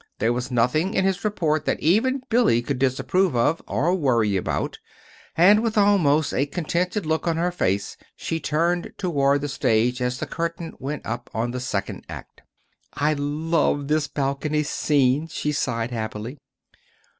There was nothing in his report that even Billy could disapprove of, or worry about; and with almost a contented look on her face she turned toward the stage as the curtain went up on the second act. "I love this balcony scene," she sighed happily.